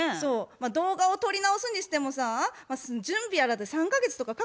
まあ動画を撮り直すにしてもさ準備やらで３か月とかかかるやんか。